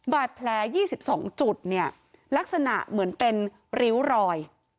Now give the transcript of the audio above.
บาดแผล๒๒จุดเนี่ยลักษณะเหมือนเป็นริ้วรอย